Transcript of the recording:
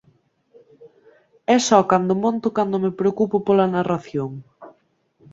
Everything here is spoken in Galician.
É só cando monto cando me preocupo pola narración.